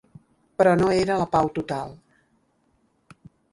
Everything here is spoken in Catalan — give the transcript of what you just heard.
Però no era la pau total.